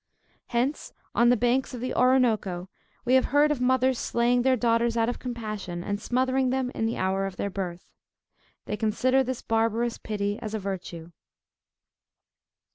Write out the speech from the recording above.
Hence on the banks of the Oroonoko we have heard of mothers slaying their daughters out of compassion, and smothering them in the hour of their birth. They consider this barbarous pity as a virtue.